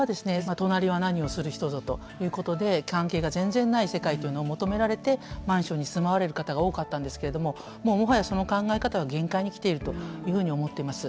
隣は何をする人ぞということで関係が全然ない世界というのを求められてマンションに住まわれる方が多かったんですけれどももうもはやその考え方は限界に来ているというふうに思っています。